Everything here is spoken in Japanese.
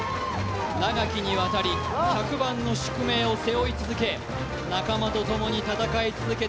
長きにわたり、１００番の宿命を背負い続け、仲間とともに戦い続けた